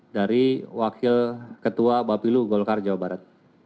dari wakil ketua bapilu golkar jawa barat